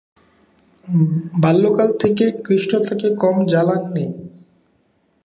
বাল্যকাল থেকে কৃষ্ণ তাকে কম জ্বালাননি।